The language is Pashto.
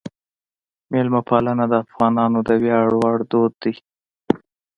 میلمهپالنه د افغانانو د ویاړ وړ دود دی.